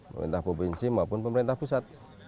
pemerintah provinsi maupun pemerintah pusat